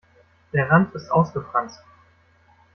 Der Rand ist ausgefranst.